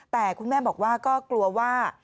แต่คุณแม่บอกว่าก็กลัวว่า